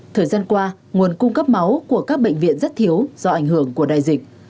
thời gian qua nguồn cung cấp máu của các bệnh viện rất thiếu do ảnh hưởng của đại dịch